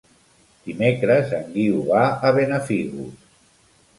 Dimecres en Guiu va a Benafigos.